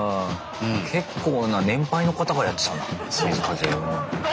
結構な年配の方がやってたんだ水かけ。